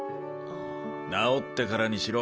治ってからにしろ。